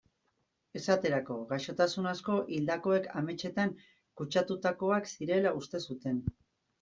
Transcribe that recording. Esaterako, gaixotasun asko hildakoek ametsetan kutsatutakoak zirela uste zuten.